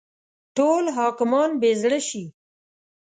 ټول حاکمان بې زړه شي.